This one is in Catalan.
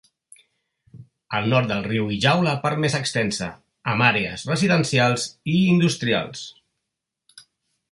Al nord del riu hi jau la part més extensa, amb àrees residencials i industrials.